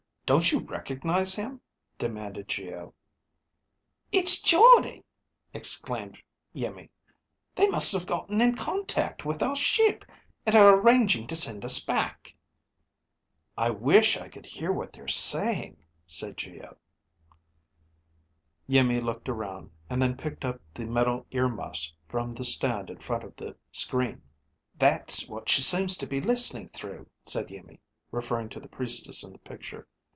Don't you recognize him?" demanded Geo. "It's Jordde!" exclaimed Iimmi. "They must have gotten in contact with our ship and are arranging to send us back." "I wish I could hear what they're saying," said Geo. Iimmi looked around and then picked up the metal ear muffs from the stand in front of the screen. "That's what she seems to be listening through," said Iimmi, referring to the Priestess in the picture.